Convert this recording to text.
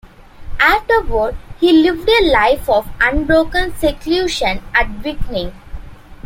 Afterward, he lived a life of unbroken seclusion at Vignay.